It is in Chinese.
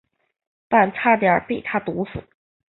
但差点被他毒死。